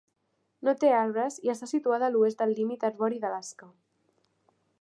No té arbres i està situada a l'oest del límit arbori d'Alaska.